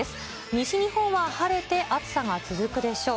西日本は晴れて、暑さが続くでしょう。